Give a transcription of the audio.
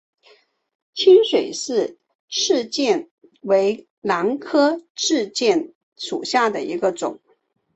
清水氏赤箭为兰科赤箭属下的一个种。